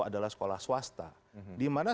adalah sekolah swasta dimana